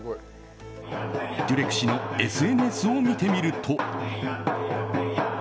デュレク氏のＳＮＳを見てみると。